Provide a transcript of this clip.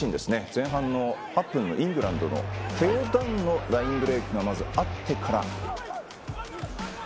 前半の８分、イングランドのテオ・ダンのラインブレークがあってから。